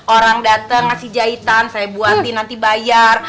orang datang ngasih jahitan saya buatin nanti bayar